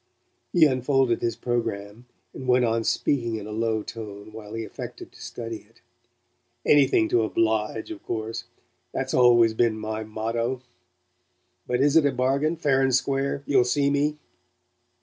He unfolded his programme, and went on speaking in a low tone while he affected to study it. "Anything to oblige, of course. That's always been my motto. But is it a bargain fair and square? You'll see me?"